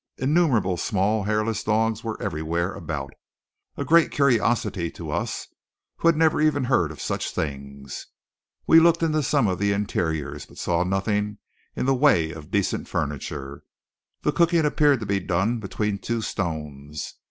Innumerable small, hairless dogs were everywhere about, a great curiosity to us, who had never even heard of such things. We looked into some of the interiors, but saw nothing in the way of decent furniture. The cooking appeared to be done between two stones.